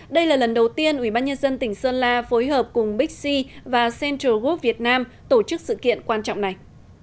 đây là lần đầu tiên ubnd tỉnh sơn la phối hợp cùng bixi và central group việt nam tổ chức sự kiện quan trọng này